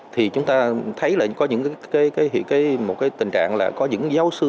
thì chúng ta thấy là có những một cái tình trạng là có những giáo sư